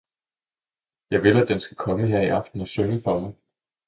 Jeg vil at den skal komme her i aften og synge for mig!